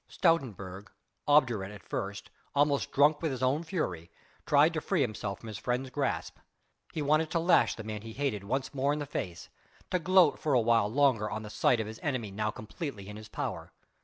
Stoutenburg, obdurate at first, almost drunk with his own fury, tried to free himself from his friend's grasp. He wanted to lash the man he hated once more in the face, to gloat for awhile longer on the sight of his enemy now completely in his power.